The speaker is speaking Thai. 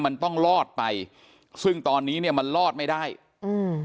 มันต้องรอดไปซึ่งตอนนี้เนี้ยมันรอดไม่ได้อืม